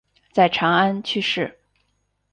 在长安去世。